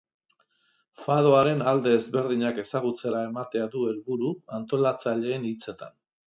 Fadoaren alde ezberdinak ezagutzera ematea du helburu, antolatzaileen hitzetan.